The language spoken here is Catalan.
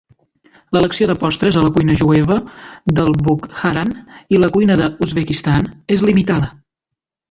L'elecció de postres a la cuina jueva del Bukharan i la cuina de l'Uzbekistan és limitada.